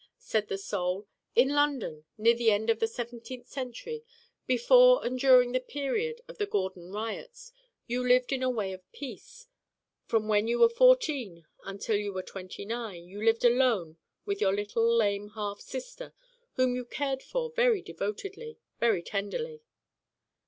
Said the Soul: 'In London, near the end of the seventeenth century, before and during the period of the Gordon Riots, you lived in a way of peace. From when you were fourteen until you were twenty nine you lived alone with your little lame half sister whom you cared for very devotedly, very tenderly.